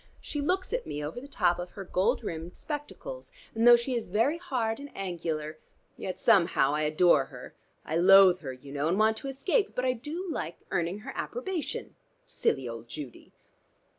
She looks at me over the top of her gold rimmed spectacles, and though she is very hard and angular yet somehow I adore her. I loathe her you know, and want to escape, but I do like earning her approbation. Silly old Judy!"